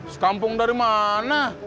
sekampung dari mana